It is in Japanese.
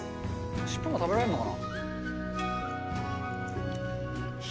尻尾も食べられんのかな。